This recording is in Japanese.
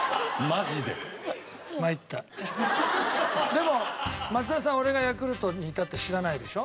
でも松田さん俺がヤクルトにいたって知らないでしょ？